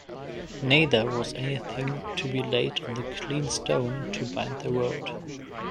Neither was anything to be laid on the clean stone to bind the road.